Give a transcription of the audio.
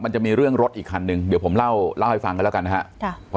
มันจะมีเรื่องรถอีกคันหนึ่งเดี๋ยวผมเล่าให้ฟังกันแล้วกันนะครับ